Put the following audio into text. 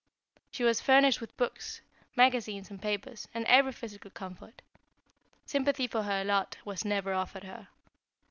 She was furnished with books, magazines and papers, and every physical comfort. Sympathy for her lot was never offered her.